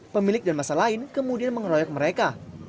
pemilik dan masa lain kemudian mengeroyok mereka